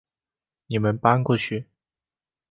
你们搬过去